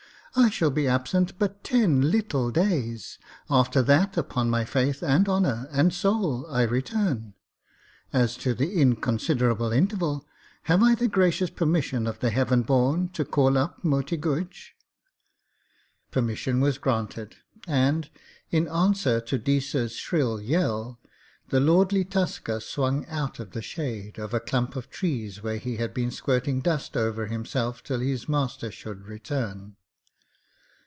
I shall be absent but ten little days. After that, upon my faith and honour and soul, I return. As to the inconsiderable interval, have I the gracious permission of the Heaven born to call up Moti Guj?' Permission was granted, and, in answer to Deesa's shrill yell, the lordly tusker swung out of the shade of a clump of trees where he had been squirting dust over himself till his master should return.